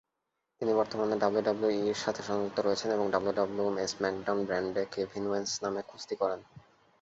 যিনি বর্তমানে ডাব্লিউডাব্লিউইর সাথে সংযুক্ত রয়েছেন এবং ডাব্লিউডাব্লিউই স্ম্যাকডাউন ব্র্যান্ডে কেভিন ওয়েন্স নামে কুস্তি করেন।